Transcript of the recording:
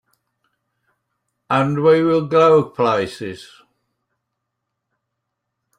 And will we go places!